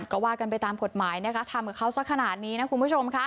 ก็ว่ากันไปตามกฎหมายนะคะทำกับเขาสักขนาดนี้นะคุณผู้ชมค่ะ